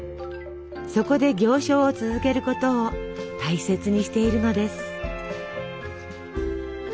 そこで行商を続けることを大切にしているのです。